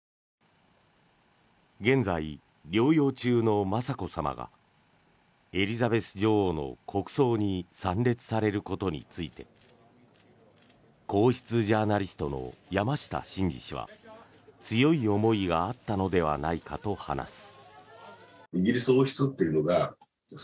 現在、療養中の雅子さまがエリザベス女王の国葬に参列されることについて皇室ジャーナリストの山下晋司氏は強い思いがあったのではないかと話す。